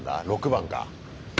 ６番か。